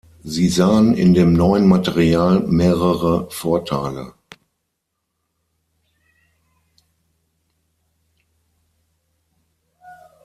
Sie sahen in dem neuen Material mehrere Vorteile.